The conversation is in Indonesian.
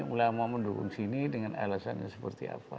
ulama mendukung sini dengan alasannya seperti apa